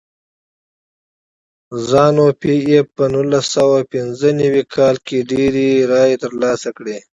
زانو پي ایف په نولس سوه پنځه نوي کال کې ډېرې رایې ترلاسه کړې.